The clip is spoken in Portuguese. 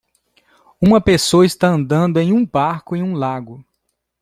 Uma pessoa está andando em um barco em um lago.